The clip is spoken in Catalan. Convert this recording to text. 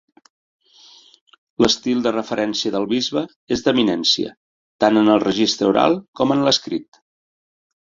L'estil de referència del bisbe és d'eminència, tant en el registre oral com en l'escrit.